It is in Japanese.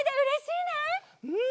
うん！